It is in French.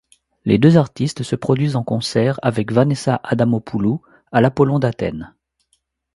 Les deux artistes se produisent en concert avec Vanessa Adamopoulou à L’Apollon d’Athènes.